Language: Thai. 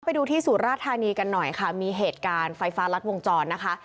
ไปดูที่สุราธานีกันหน่อยค่ะมีเหตุการณ์ไฟฟ้ารัดวงจรนะคะ